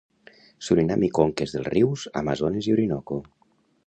Surinam i conques dels rius Amazones i Orinoco.